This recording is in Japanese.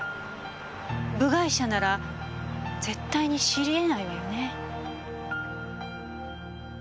部外者なら絶対に知り得ないわよね。